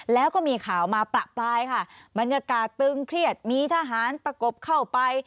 แล้วก็มีข่าวมาประปรายค่ะบรรยากาศตึงเครียดมีทหารประกบเข้าไป